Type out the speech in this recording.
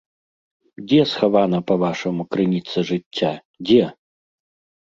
Дзе схавана, па-вашаму, крыніца жыцця, дзе?